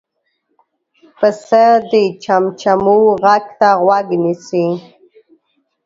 پسه د چمچمو غږ ته غوږ نیسي.